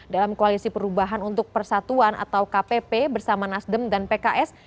dalam koalisi perubahan untuk persatuan atau kpp bersama nasdem dan pks